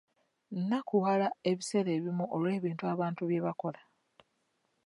Nnakuwala ebiseera ebimu olw'ebintu abantu bye bakola.